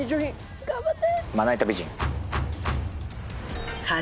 頑張って。